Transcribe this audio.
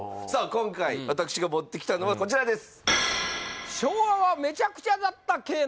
今回私が持ってきたのはこちらです